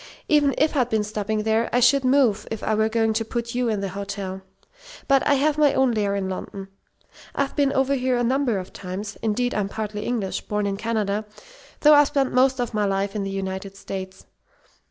Even if I'd been stopping there, I should move if I were going to put you in the hotel. But I have my own lair in London. I've been over here a number of times. Indeed, I'm partly English, born in Canada, though I've spent most of my life in the United States.